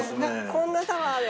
こんなタワーで。